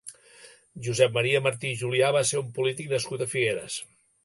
Josep Maria Martí i Julià va ser un polític nascut a Figueres.